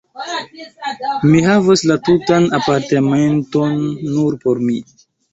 Mi havos la tutan apartamenton, nur por mi!